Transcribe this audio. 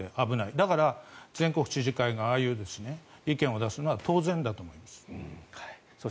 だから全国知事会がああいう意見を出すのは当然だと思います。